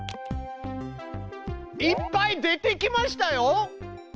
いっぱい出てきましたよ！